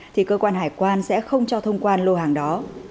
thì cơ quan hải quan sẽ không cho thông quan lô hàng đó